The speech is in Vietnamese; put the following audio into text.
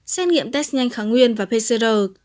xét nghiệm test nhanh kháng nguyên và pcr